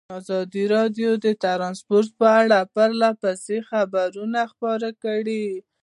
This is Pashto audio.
ازادي راډیو د ترانسپورټ په اړه پرله پسې خبرونه خپاره کړي.